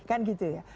kan gitu ya